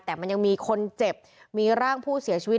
แต่มันยังมีคนเจ็บมีร่างผู้เสียชีวิต